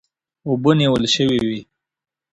اوبه نیول سوې وې.